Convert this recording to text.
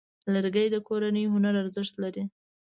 لرګی د کورني هنر ارزښت لري.